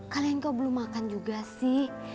kalian kau belum makan juga sih